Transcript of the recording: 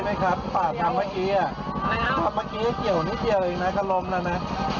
ไม่ผมดูแล้วผมจะเข้ามา